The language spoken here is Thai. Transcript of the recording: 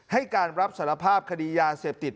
ให้การรับสารภาพคดียาเสพติด